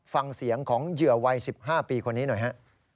ฟังเสียงของเหยื่อวัย๑๕ปีคนนี้หน่อยฮะ